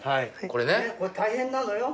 これ大変なのよ。